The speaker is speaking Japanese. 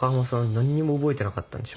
何にも覚えてなかったんでしょ？